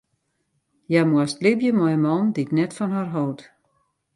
Hja moast libje mei in man dy't net fan har hold.